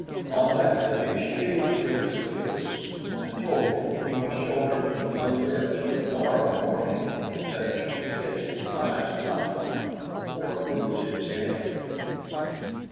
On that day, she gave the Prince a kiss and told him he must show her the lips to morrow morning that she kissed last night, or lose his head.